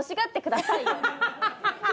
アハハハ！